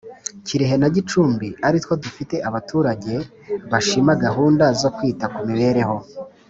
Kirehe na Gicumbi aritwo dufite abaturage bashima gahunda zo kwita ku mibereho